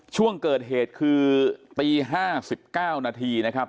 ช่วงเกิดเหตุคือตี๕๙นาทีนะครับ